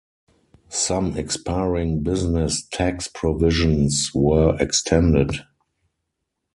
Some expiring business tax provisions were extended.